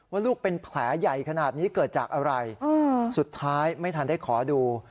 ว่าลูกเป็นแผลใหญ่ขนาดนี้เกิดจากอะไรสุดท้ายไม่ทันได้ขอดู